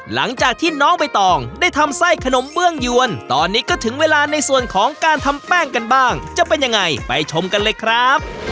หลังจากที่น้องใบตองได้ทำไส้ขนมเบื้องยวนตอนนี้ก็ถึงเวลาในส่วนของการทำแป้งกันบ้างจะเป็นยังไงไปชมกันเลยครับ